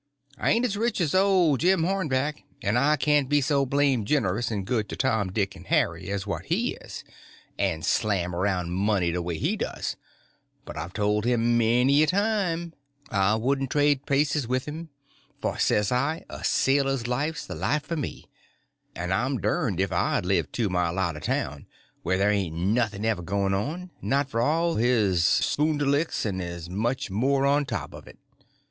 I ain't as rich as old Jim Hornback, and I can't be so blame' generous and good to Tom, Dick, and Harry as what he is, and slam around money the way he does; but I've told him a many a time 't I wouldn't trade places with him; for, says I, a sailor's life's the life for me, and I'm derned if I'd live two mile out o' town, where there ain't nothing ever goin' on, not for all his spondulicks and as much more on top of it.